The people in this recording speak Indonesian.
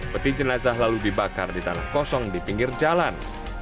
peti jenazah lalu dibakar di tanah kosong di pinggir jalan